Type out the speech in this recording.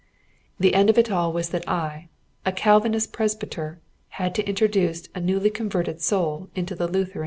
The end of it all was that I, a Calvinist presbyter, had to introduce a newly converted soul into the Lutheran Church.